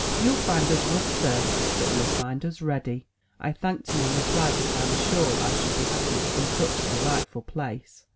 "Youll find us rough, Sir, but you'll find us ready/' I thanked him, and replied that Iwas sure I should be happy in such a delightful place.